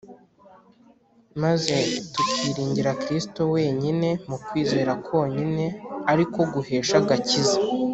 maze tukiringira Kristo wenyine mu kwizera konyine ari ko guhesha agakiza